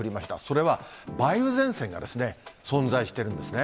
それは梅雨前線がですね、存在してるんですね。